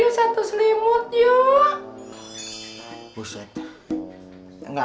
ya bang betul bang